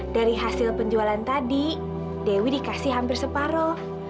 dari hasil penjualan tadi dewi dikasih hampir separoh